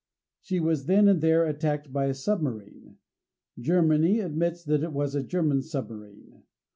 She was then and there attacked by a submarine. Germany admits that it was a German submarine.